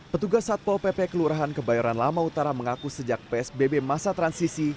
petugas satpol pp kelurahan kebayoran lama utara mengaku sejak psbb masa transisi